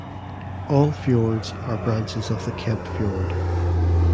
All fjords are branches of the Kempe Fjord.